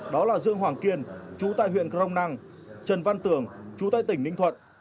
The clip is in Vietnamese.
đó là dương hoàng kiên chú tại huyện crong năng trần văn tưởng chú tại tỉnh ninh thuận